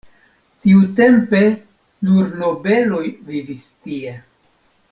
Tiutempe nur nobeloj vivis tie.